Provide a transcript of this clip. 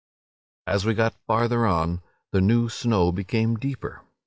"As we got farther on, the new snow became deeper.